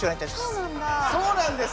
そうなんだ。